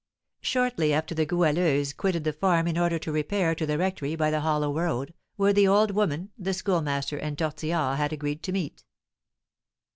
Shortly after the Goualeuse quitted the farm in order to repair to the rectory by the hollow road, where the old woman, the Schoolmaster, and Tortillard had agreed to meet.